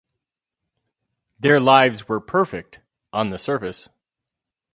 Their lives were perfect - on the surface.